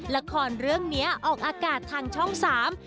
ละครเรื่องเนี้ยออกอากาศทางช่องสาม